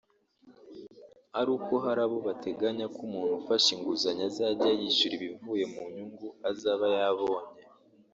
ari uko hari aho bateganya ko umuntu ufashe inguzanyo azajya yishyura ibivuye mu nyungu azaba yabonye